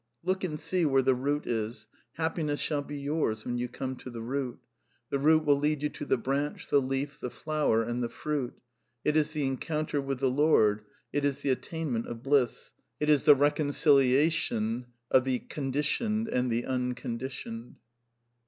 Look and see where the root is : happiness shall be yours when you come to the root. The root will lead you to the branch, the leaf, the flower, and the fruit: It is the Encounter with the Lord, it is the attainment of bliss, it is the reconciliation oi the Conditioned and the Un conditioned."